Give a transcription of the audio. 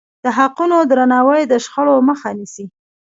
د حقونو درناوی د شخړو مخه نیسي.